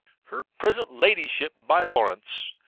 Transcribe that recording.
Her present Ladyship, by Lawrence.